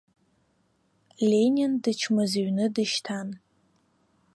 Ленин дычмазаҩны дышьҭан.